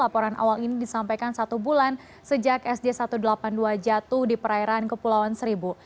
laporan awal ini disampaikan satu bulan sejak sj satu ratus delapan puluh dua jatuh di perairan kepulauan seribu